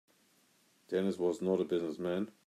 Dennis was not a business man.